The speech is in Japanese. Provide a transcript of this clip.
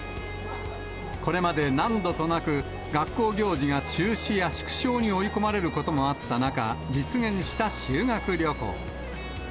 これまで何度となく、学校行事が中止や縮小に追い込まれることもあった中、実現した修